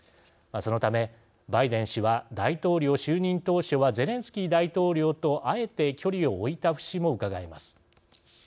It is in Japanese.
そのため、バイデン氏は大統領就任当初ゼレンスキー大統領とあえて距離を置いた節もうかがえます。